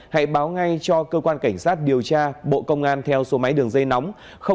hãy báo ngay cho cơ quan cảnh sát điều tra bộ công an theo số máy đường dây nóng